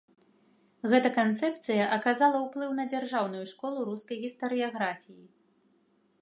Гэта канцэпцыя аказала ўплыў на дзяржаўную школу рускай гістарыяграфіі.